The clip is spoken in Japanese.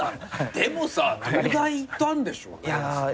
でもさ東大行ったんでしょ？